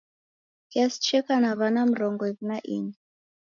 Klasi cheka na w'ana mrongo iwi na inya.